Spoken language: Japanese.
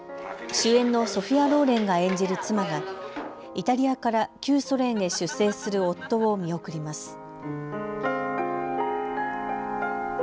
主演のソフィア・ローレンが演じる妻がイタリアから旧ソ連へ出征する夫を見送ります。